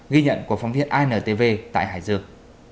ghi nhận của phóng viên intv tại hải dương